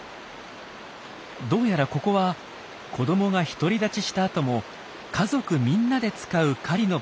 どうやらここは子どもが独り立ちした後も家族みんなで使う狩りの場所になっているようです。